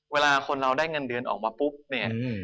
เวลาคนเราได้เงินเดือนออกมาปุ๊บเนี่ย